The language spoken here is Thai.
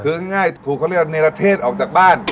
คือง่ายถูกเขาเรียกเนรเทศออกจากบ้าน